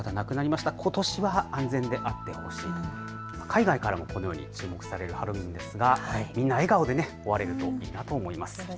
海外からもこのように注目されるハロウィーンですがみんな笑顔で終われるといいなと思います。